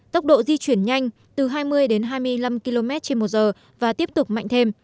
tốc độ di chuyển nhanh từ hai mươi đến hai mươi năm km trên một giờ và tiếp tục mạnh thêm